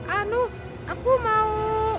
anu aku mau